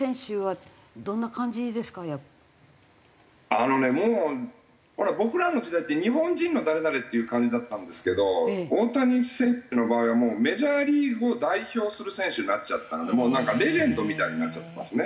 あのねもう僕らの時代って日本人の誰々っていう感じだったんですけど大谷選手の場合はもうメジャーリーグを代表する選手になっちゃったのでもうなんかレジェンドみたいになっちゃってますね。